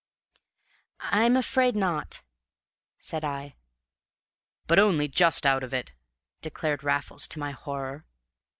"I'm afraid not," said I. "But only just out of it," declared Raffles, to my horror.